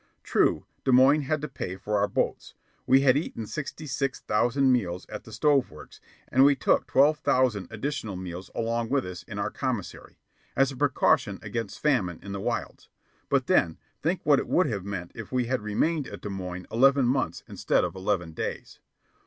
True, Des Moines had to pay for our boats; we had eaten sixty six thousand meals at the stove works; and we took twelve thousand additional meals along with us in our commissary as a precaution against famine in the wilds; but then, think what it would have meant if we had remained at Des Moines eleven months instead of eleven days.